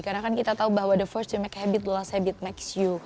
karena kan kita tahu bahwa the first you make habit the last habit makes you